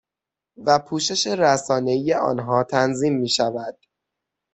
و پوشش رسانه ای آنها تنظیم می شود